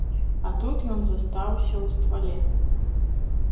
А тут ён застаўся ў ствале.